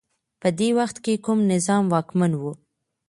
په دې وخت کي کوم نظام واکمن و؟